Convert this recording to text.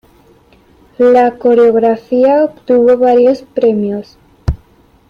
La coreografía obtuvo varios premios.